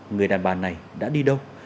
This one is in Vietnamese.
người đàn bà này đã đi đâu